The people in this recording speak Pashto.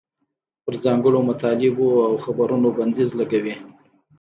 پر ځانګړو مطالبو او خبرونو بندیز لګوي.